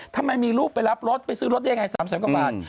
ทำไมมีลูกไปรับรถไปซื้อรถได้ยังไง๓แสนกว่าบาท